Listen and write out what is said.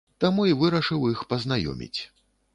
Таму і вырашыў іх пазнаёміць.